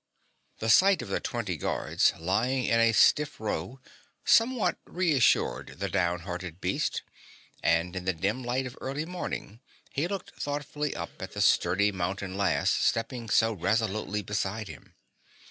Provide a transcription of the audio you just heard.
The sight of the twenty guards lying in a stiff row somewhat reassured the downhearted beast and in the dim light of early morning he looked thoughtfully up at the sturdy mountain lass stepping so resolutely beside him.